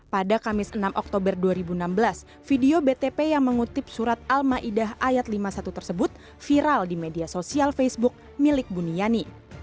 pada kamis enam oktober dua ribu enam belas video btp yang mengutip surat al ⁇ maidah ⁇ ayat lima puluh satu tersebut viral di media sosial facebook milik buniani